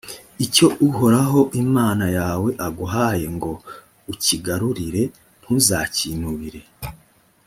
icyo uhoraho imana yawe aguhaye ngo ukigarurire ntuzakinubire;